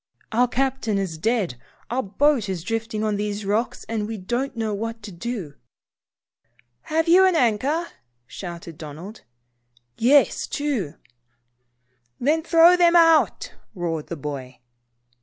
"Our captain is dead. Our boat is drifting on these rocks, and we don't know what to do." " Have you an anchor?" shouted Donald. "Yes, two." "Then, throw them both out," roared the boy.